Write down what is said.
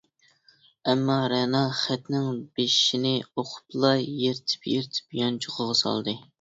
ئەمما رەنا خەتنىڭ بېشىنى ئوقۇپلا يىرتىپ-يىرتىپ يانچۇقىغا سالدى.